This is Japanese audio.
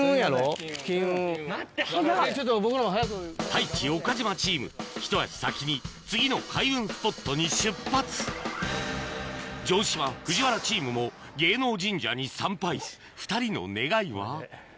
太一・岡島チームひと足先に次の開運スポットに出発城島・藤原チームも芸能神社に参拝２人の願いは？